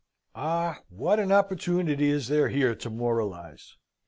Ah, what an opportunity is there here to moralise!